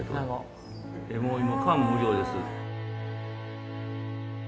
もう今感無量です。